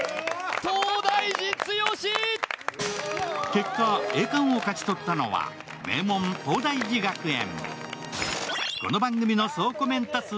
結果、栄冠を勝ち取ったのは名門・東大寺学園。